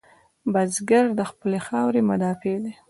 بزګر د خپلې خاورې مدافع دی